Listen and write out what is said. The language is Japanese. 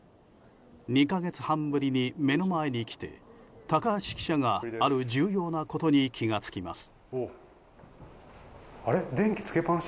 ２か月半ぶりに目の前に来て高橋記者がある重要なことに気が付きます。